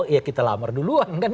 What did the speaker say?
ya kita lamar duluan kan